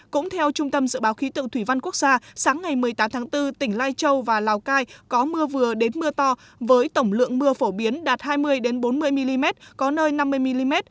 cũng theo trung tâm dự báo khí tượng thủy văn quốc gia sáng ngày một mươi tám tháng bốn tỉnh lai châu và lào cai có mưa vừa đến mưa to với tổng lượng mưa phổ biến đạt hai mươi bốn mươi mm có nơi năm mươi mm